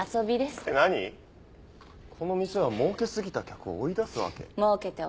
この店はもうけ過ぎた客を追い出すわけ？